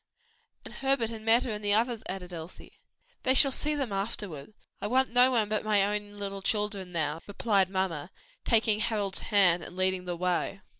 "And Herbert and Meta and the others," added Elsie. "They shall see them afterwards. I want no one but my own little children now," replied mamma, taking Harold's hand, and leading the way.